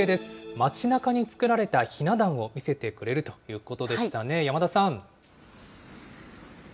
町なかに作られたひな壇を見せてくれるということでしたね、山田さん。